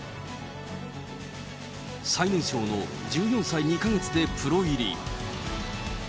最年少の１４歳２か月でプロ入り。